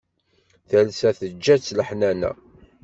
Talsa teǧǧa-tt leḥnana.